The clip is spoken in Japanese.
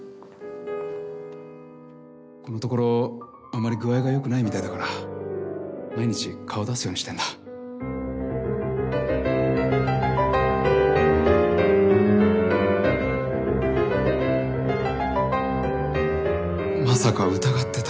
ここのところあまり具合が良くないみたいだから毎日顔出すようにしてるんだまさか疑ってた？